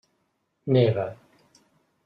Neva.